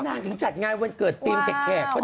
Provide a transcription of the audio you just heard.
นางถึงจัดงานวันเกิดธีมแขก